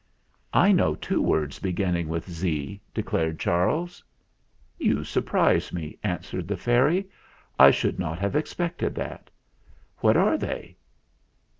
"I know two words beginning with *z,' " de clared Charles. "You surprise me," answered the fairy. "I should not have expected that. What are they?"